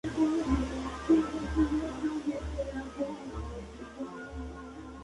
Disociación es lo opuesto de la asociación, síntesis química o a la recombinación.